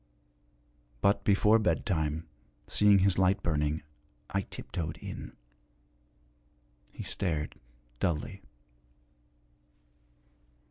But, before bedtime, seeing his light burning, I tiptoed in. He stared dully.